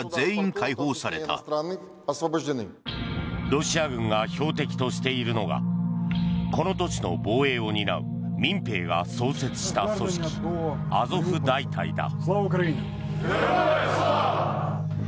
ロシア軍が標的としているのがこの都市の防衛を担う民兵が創設した組織アゾフ大隊だ。